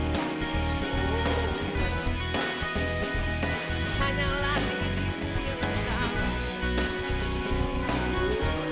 gak bisa hidup tanpa kamu